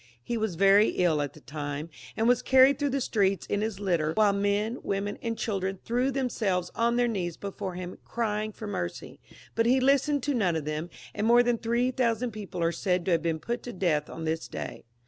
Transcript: He was very ill at the time, and was carried through the streets in his litter, while men, women, and children threw themselves on their knees before him, crying for mercy, but he listened to none of them, and more than three thousand people are said to have been put to death on this day.